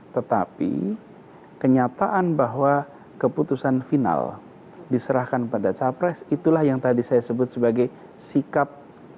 tetapi kenyataan bahwa keputusan final diserahkan pada capres itulah yang tadi saya sebut sebagai sikap